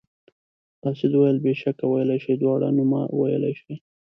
قاصد وویل بېشکه ویلی شي دواړه نومه ویلی شي.